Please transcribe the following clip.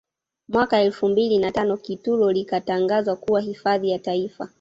Mwaka elfu mbili na tano Kitulo likatangazwa kuwa hifadhi ya Taifa